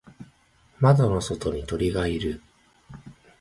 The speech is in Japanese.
窓の外に鳥がいる。